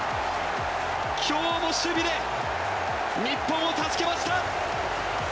今日も守備で日本を助けました！